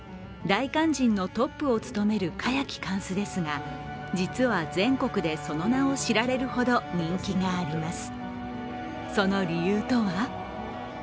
大勧進のトップを務める栢木貫主ですが実は全国でその名を知られるほど人気があります。